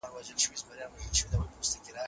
ایا ته په خپل کور کې د مېوې باغ لرې؟